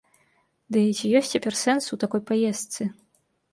Дый ці ёсць цяпер сэнс у такой паездцы?